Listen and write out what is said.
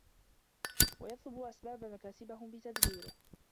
وَيَطْلُبُوا أَسْبَابَ مَكَاسِبِهِمْ بِتَدْبِيرِهِ